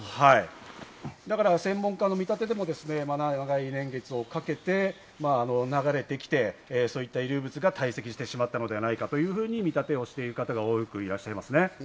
だから専門家の見たてでも長い年月をかけて流れてきて、そういった遺留物が堆積してしまったのではないかというふうに見立てをしている方が多くいらっしゃいますね。